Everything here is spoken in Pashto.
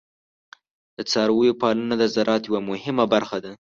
د څارویو پالنه د زراعت یوه مهمه برخه ده.